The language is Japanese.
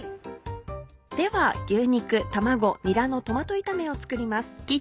では牛肉卵にらのトマト炒めを作ります。